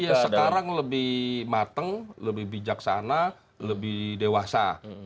iya sekarang lebih mateng lebih bijaksana lebih dewasa